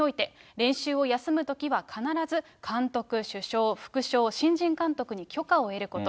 練習を休むときは必ず監督、主将、副将、新人監督に許可を得ること。